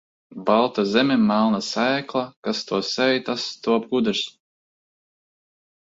Balta zeme, melna sēkla, kas to sēj, tas top gudrs.